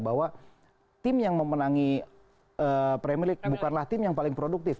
bahwa tim yang memenangi premier league bukanlah tim yang paling produktif